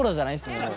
もう。